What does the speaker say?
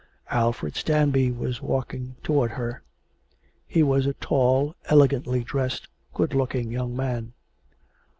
Alfred Stanby was walking towards her. He was a tall, elegantly dressed, good looking young man.